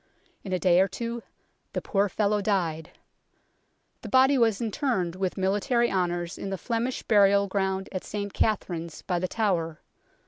In a day or two the poor fellow died. The body was interred with military honours in the Flemish burial ground at St Katharine's by The Tower.